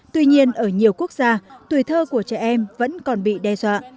tuy nhiên ở nhiều quốc gia tuổi thơ của trẻ em vẫn còn bị đe dọa